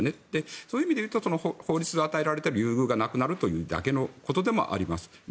そういう意味で言うと法律で与えられている優遇がなくなるだけということでもあります。